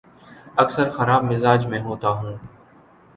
اکثر خراب مزاج میں ہوتا ہوں